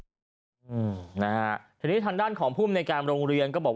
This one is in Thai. ทีนี้ทางด้านของผู้มนต์ในการโรงเรียนก็บอกว่า